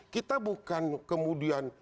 kita bukan kemudian